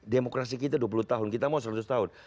demokrasi kita dua puluh tahun kita mau seratus tahun